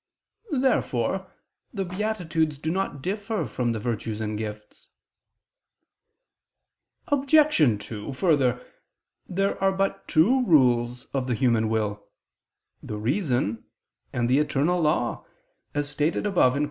Therefore the beatitudes do not differ from the virtues and gifts. Obj. 2: Further, there are but two rules of the human will: the reason and the eternal law, as stated above (Q.